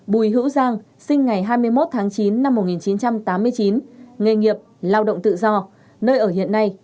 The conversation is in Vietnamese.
bùi hữu giang sinh ngày hai mươi một tháng chín năm một nghìn chín trăm tám mươi chín nghề nghiệp lao động tự do nơi ở hiện nay